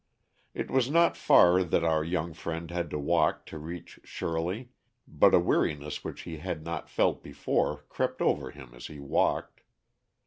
It was not far that our young friend had to walk to reach Shirley, but a weariness which he had not felt before crept over him as he walked.